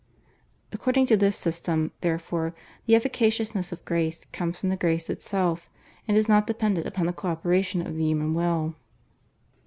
According to this system, therefore, the efficaciousness of Grace comes from the Grace itself, and is not dependent upon the co operation of the human will.